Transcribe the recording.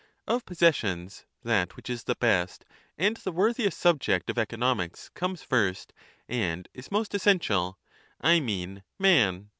Of possessions, that which is the best and the worthiest 5 subject of economics comes first and is most essential I mean, man.